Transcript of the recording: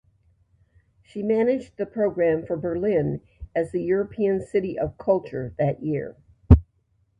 She managed the program for Berlin as the European City of Culture that year.